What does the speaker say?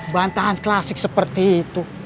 bantahan klasik seperti itu